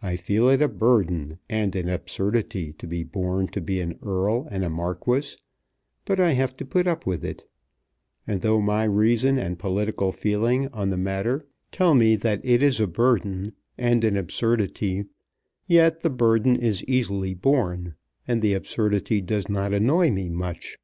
I feel it a burden and an absurdity to be born to be an earl and a marquis, but I have to put up with it; and, though my reason and political feeling on the matter tell me that it is a burden and an absurdity, yet the burden is easily borne, and the absurdity does not annoy me much.